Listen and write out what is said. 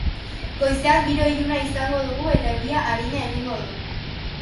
Goizean giro iluna izango dugu eta euria arina egingo du.